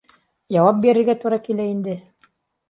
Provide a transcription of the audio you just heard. — Яуап бирергә тура килә инде.